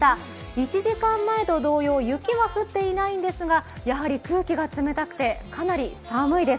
１時間前と同様、雪は降っていないんですがやはり空気が冷たくてかなり寒いです。